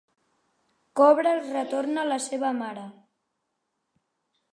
Cobra retorna la seva mare.